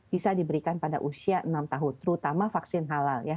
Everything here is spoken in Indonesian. bisa diberikan pada usia enam tahun terutama vaksin halal ya